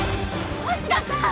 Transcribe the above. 橋田さん！